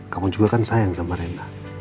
kamu juga kan sayang sama renda